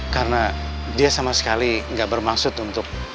karena dia sama sekali gak bermaksud untuk